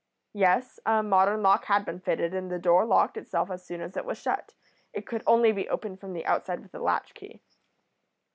"'Yes. A modern lock had been fitted, and the door locked itself as soon as it was shut. It could only be opened from the outside with a latch key.'